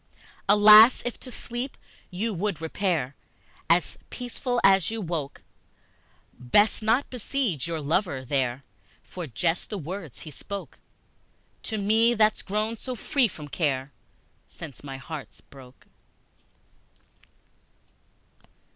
Lass, if to sleep you would repair As peaceful as you woke, Best not beseige your lover there For just the words he spoke To me, that's grown so free from care Since my heart broke!